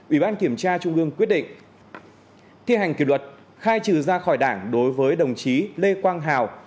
ủy ban kiểm tra trung ương quyết định thi hành kỷ luật khai trừ ra khỏi đảng đối với đồng chí lê quang hào